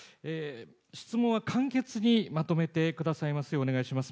質問は簡潔にまとめてくださいますよう、お願いします。